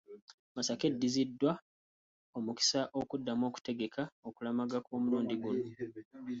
Masaka eddiziddwa omukisa okuddamu okutegeka okulamaga kw’omulundi guno.